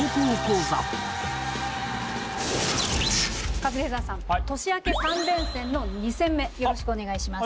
カズレーザーさん年明け３連戦の２戦目よろしくお願いします。